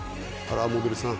らモデルさん